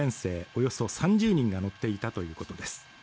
およそ３０人が乗っていたということです